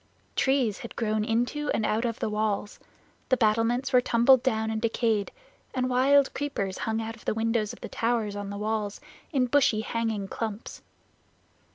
Trees had grown into and out of the walls; the battlements were tumbled down and decayed, and wild creepers hung out of the windows of the towers on the walls in bushy hanging clumps.